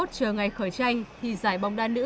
trở ngày khởi tranh thì giải bóng đa nữ